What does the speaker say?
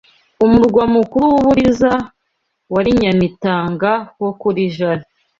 Umurwa Mukuru w’u Buliza wari Nyamitanga ho kuri Jari